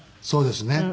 そうですよね。